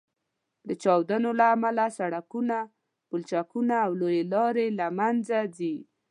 د چاودنو له امله سړکونه، پولچکونه او لویې لارې له منځه ځي